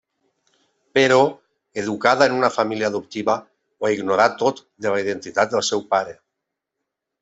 Però, educada en una família adoptiva, ho ignora tot de la identitat del seu pare.